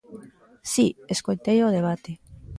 Si escoitei o debate.